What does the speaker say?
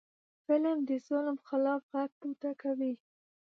فلم د ظلم خلاف غږ پورته کوي